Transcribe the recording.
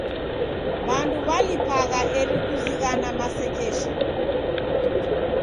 W'andu w'alipagha eri kuzighana masekesho.